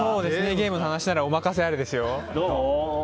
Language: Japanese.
ゲームの話ならお任せあれですよ。